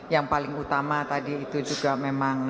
yang paling utama tadi itu juga memang